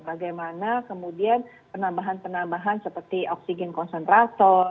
bagaimana kemudian penambahan penambahan seperti oksigen konsentrator